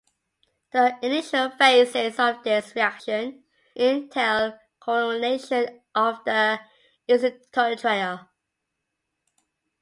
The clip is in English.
The initial phases of this reaction entail chlorination of the acetonitrile.